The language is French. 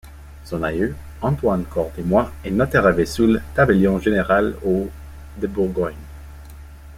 Son aïeul, Antoine Cordemoy, est notaire à Vesoul, tabellion général au de Bourgogne.